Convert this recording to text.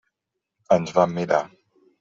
Ens vam mirar.